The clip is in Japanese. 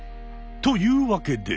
というわけで！